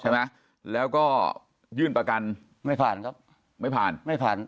ใช่ไหมแล้วก็ยื่นประกันไม่ผ่านครับไม่ผ่านไม่ผ่าน